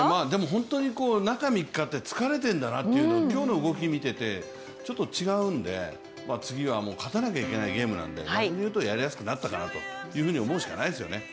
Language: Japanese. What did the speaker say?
本当に中３日って疲れているんだなというのが今日の動きを見ててちょっと違うんで次は勝たなきゃいけないゲームなんで逆に言うとやりやすくなったかなと思うしかないですよね。